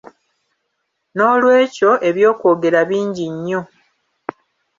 Noolwekyo eby’okwogera bingi nnyo.